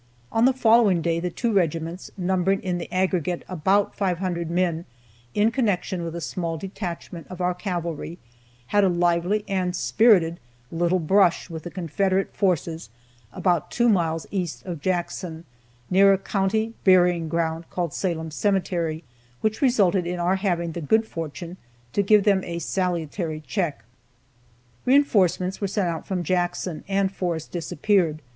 On the following day the two regiments, numbering in the aggregate about 500 men, in connection with a small detachment of our cavalry, had a lively and spirited little brush with the Confederate forces about two miles east of Jackson, near a country burying ground called Salem Cemetery, which resulted in our having the good fortune to give them a salutary check. Reinforcements were sent out from Jackson, and Forrest disappeared.